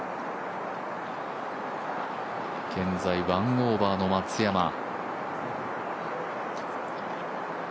現在、１オーバーの松山。